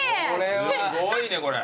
すごいねこれ。